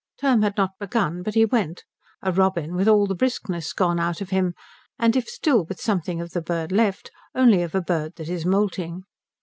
Term had not begun, but he went; a Robin with all the briskness gone out of him, and if still with something of the bird left only of a bird that is moulting.